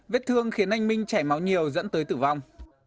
vết thương khiến anh minh chảy máu nhiều dẫn tới tử vong